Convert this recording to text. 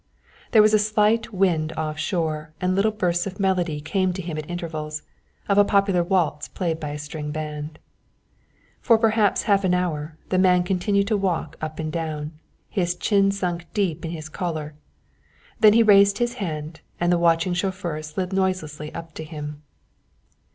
There was a slight wind off shore and little bursts of melody came to him at intervals, of a popular waltz played by a string band. For perhaps half an hour the man continued to walk up and down, his chin sunk deep in his collar, then he raised his hand and the watching chauffeur slid noiselessly up to him.